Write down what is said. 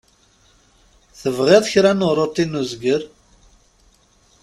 Tebɣiḍ kra n uṛuti n uzger?